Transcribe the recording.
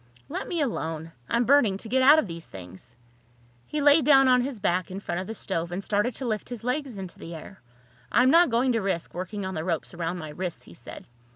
"Let me alone. I'm burning to get out of these things." He lay down on his back in front of the stove and started to lift his legs into the air. "I'm not going to risk working on the ropes around my wrists," he said.